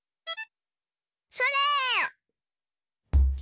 それ！